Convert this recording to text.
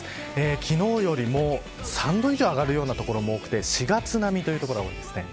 昨日よりも３度以上上がるような所も多くて４月並みという所が多いです。